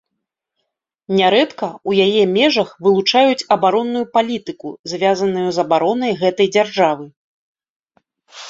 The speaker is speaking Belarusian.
Нярэдка ў яе межах вылучаюць абаронную палітыку, звязаную з абаронай гэтай дзяржавы.